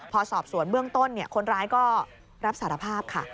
พอสอบสวนเบื้องต้นคนร้ายก็รับสารภาพค่ะ